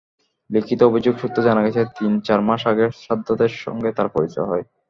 লিখিত অভিযোগ সূত্রে জানা গেছে, তিন-চার মাস আগে সাদ্দাতের সঙ্গে তাঁর পরিচয় হয়।